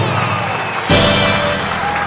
ครับมีแฟนเขาเรียกร้อง